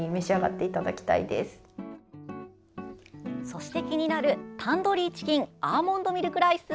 そして気になるタンドリーチキンアーモンドミルクライス。